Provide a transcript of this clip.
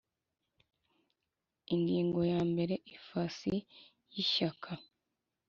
Ingingo ya mbere Ifasi y Ishyaka